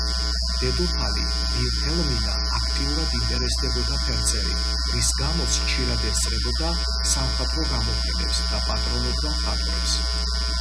დედოფალი ვილჰელმინა აქტიურად ინტერესდებოდა ფერწერით, რის გამოც ხშირად ესწრებოდა სამხატვრო გამოფენებს და პატრონობდა მხატვრებს.